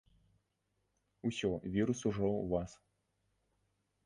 Усё, вірус ужо ў вас.